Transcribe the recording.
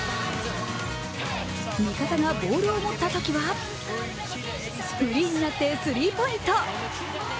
味方がボールを持ったときは、フリーになって３ポイント。